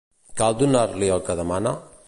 Cal donar-li el que demana?